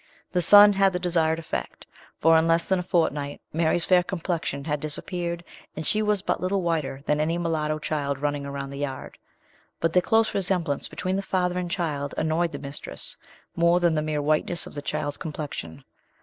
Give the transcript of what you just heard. The sun had the desired effect, for in less than a fortnight Mary's fair complexion had disappeared, and she was but little whiter than any other mulatto children running about the yard. But the close resemblance between the father and child annoyed the mistress more than the mere whiteness of the child's complexion.